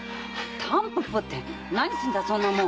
タンポポって何すんだいそんなもん？